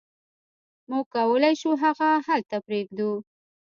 موږ کولی شو هغه هلته پریږدو